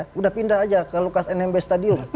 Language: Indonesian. sudah pindah aja ke lukas nmb stadium